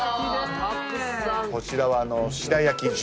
こちらは白焼重。